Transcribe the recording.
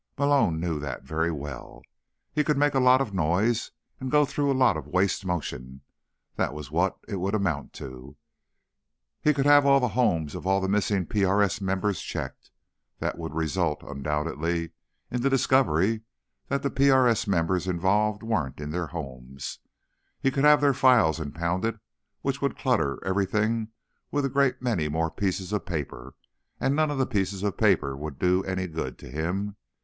Malone knew that very well. He could make a lot of noise and go through a lot of waste motion—that was what it would amount to. He could have all the homes of all the missing PRS members checked. That would result, undoubtedly, in the discovery that the PRS members involved weren't in their homes. He could have their files impounded, which would clutter everything with a great many more pieces of paper, and none of the pieces of paper would do any good to him.